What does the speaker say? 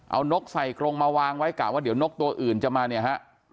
เอานกใส่กรงมาวางไว้กะว่าเดี๋ยวนกตัวอื่นจะมาเนี่ยฮะ